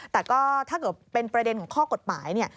แต่ก็ถ้าเกิดเป็นประเด็นของข้อกฎหมายเนี่ย